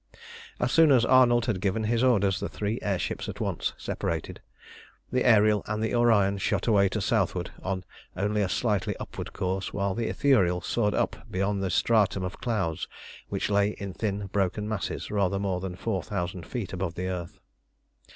As soon as Arnold had given his orders, the three air ships at once separated. The Ariel and the Orion shot away to the southward on only a slightly upward course, while the Ithuriel soared up beyond the stratum of clouds which lay in thin broken masses rather more than four thousand feet above the earth.